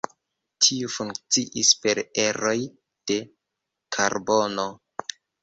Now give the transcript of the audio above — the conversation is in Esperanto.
Tiu funkciis per eroj de karbono.